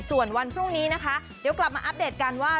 ส่วนวันพรุ่งนี้นะคะเดี๋ยวกลับมาอัปเดตกันว่า